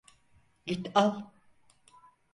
Git al…